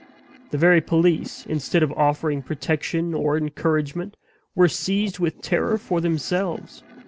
The very police, instead of offering protection or encouragement, were seized with terror for themselves.